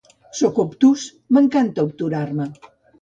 Soc obtús, m'encanta obturar-me.